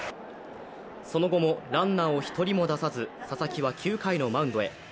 その後もランナーを１人も出さず佐々木は９回のマウンドへ。